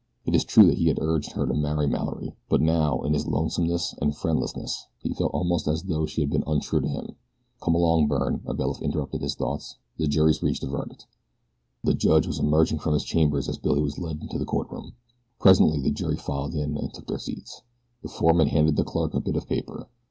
It is true that he had urged her to marry Mallory; but now, in his lonesomeness and friendlessness, he felt almost as though she had been untrue to him. "Come along, Byrne," a bailiff interrupted his thoughts, "the jury's reached a verdict." The judge was emerging from his chambers as Billy was led into the courtroom. Presently the jury filed in and took their seats. The foreman handed the clerk a bit of paper.